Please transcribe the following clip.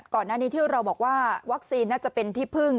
ก่อนหน้านี้ที่เราบอกว่าวัคซีนน่าจะเป็นที่พึ่ง